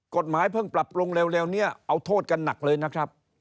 กฎหมายเพิ่งปรับปรุงเร็วนี้เอาโทษกันหนักเลยนะครับ